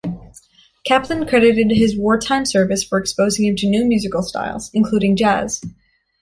Kaplan credited his wartime service for exposing him to new musical styles, including jazz.